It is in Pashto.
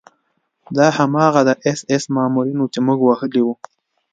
دا هماغه د اېس ایس مامورین وو چې موږ وهلي وو